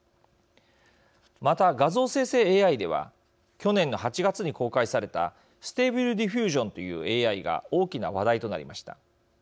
また、画像生成ＡＩでは去年の８月に公開されたステーブル・ディフュージョンというＡＩが大きな話題となりました。